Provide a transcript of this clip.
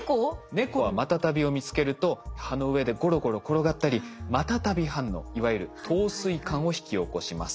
猫はマタタビを見つけると葉の上でゴロゴロ転がったりマタタビ反応いわゆる陶酔感を引き起こします。